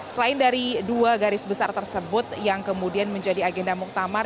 selain dari dua garis besar tersebut yang kemudian menjadi agenda muktamar